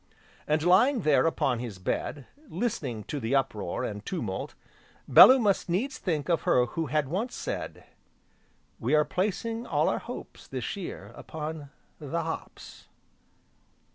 And, lying there upon his bed, listening to the uproar, and tumult, Bellew must needs think of her who had once said: "We are placing all our hopes, this year, upon the hops!"